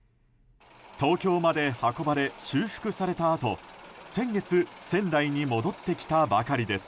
東京まで運ばれ修復されたあと先月、仙台に戻ってきたばかりです。